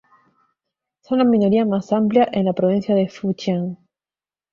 Son la minoría más amplia en la provincia de Fujian.